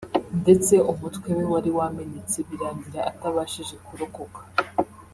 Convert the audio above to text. ndetse umutwe we wari wamenetse birangira atabashije kurokoka